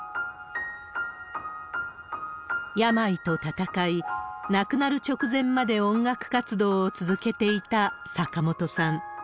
病と闘い、亡くなる直前まで音楽活動を続けていた坂本さん。